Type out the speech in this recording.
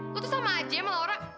kau tuh sama aja ya melora